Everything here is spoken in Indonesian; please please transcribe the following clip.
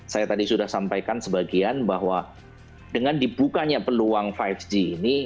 saya tadi sudah sampaikan sebagian bahwa dengan dibukanya peluang lima g ini